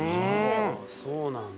そうなんだ